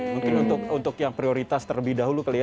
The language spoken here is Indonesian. mungkin untuk yang prioritas terlebih dahulu kali ya